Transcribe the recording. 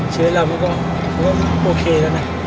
ชีวิตเรามันก็โอเคแล้วนะ